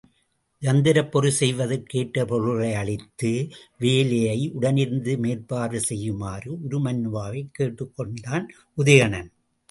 இயந்திரப் பொறி செய்வதற்கு ஏற்ற பொருள்களை அளித்து, வேலையை உடனிருந்து மேற்பார்வை செய்யுமாறு உருமண்ணுவாவைக் கேட்டுக் கொண்டான் உதயணன்.